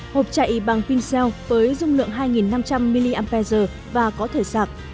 hộp chạy bằng pin cell với dung lượng hai nghìn năm trăm linh mah và có thể sạc